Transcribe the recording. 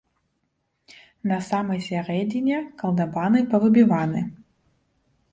На самай сярэдзіне калдабаны павыбіваны.